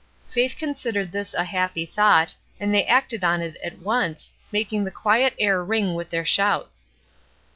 Faith considered this a happy thought, and they acted on it at once, making the quiet air ring with their shouts.